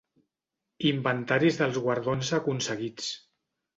Inventaris dels guardons aconseguits.